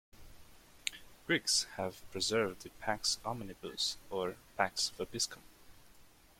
Greeks have preserved the "Pax omnibus" or "Pax vobiscum".